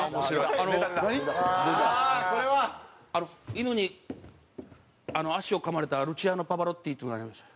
犬に足を噛まれたルチアーノ・パヴァロッティっていうのがありまして。